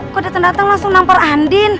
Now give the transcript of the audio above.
kok dateng dateng langsung nampar andien